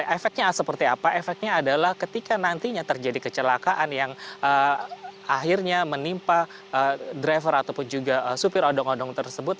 efeknya seperti apa efeknya adalah ketika nantinya terjadi kecelakaan yang akhirnya menimpa driver ataupun juga supir odong odong tersebut